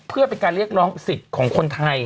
เพื่อเป็นการเรียกร้องสิทธิ์ของคนไทย